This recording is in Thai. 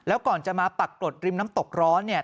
แล้วก่อนจะมาปรากฏริมน้ำตกร้อนเนี่ย